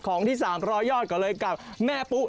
ของที่๓๐๐ยอดก่อนเลยกับแม่ปุ๊